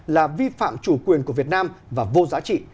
là vi phạm chủ quyền của việt nam và vô giá trị